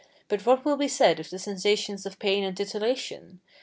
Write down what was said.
But what will be said of the sensations of pain and titillation?